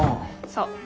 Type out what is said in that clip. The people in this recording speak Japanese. そう。